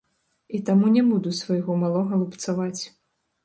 І таму не буду свайго малога лупцаваць.